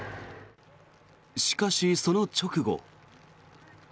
しかし、その直後。